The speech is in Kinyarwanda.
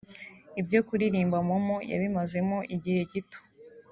Ibyo kuririmba Momo yabimazemo igihe gito